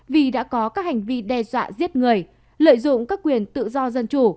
vì đã có các hành vi đe dọa giết người lợi dụng các quyền tự do dân chủ